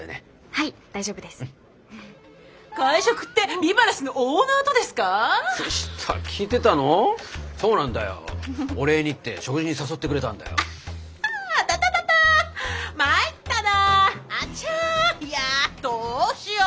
いやどうしよう？